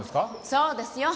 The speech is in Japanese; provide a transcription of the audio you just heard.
そうですよ。